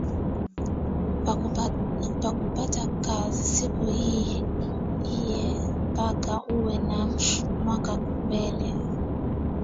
Pakupata kazi siku iyi paka uwe na wako ku mbele